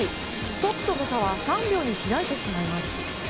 トップとの差は３秒に開いてしまいます。